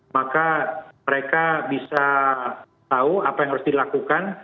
maka mereka bisa tahu apa yang harus dilakukan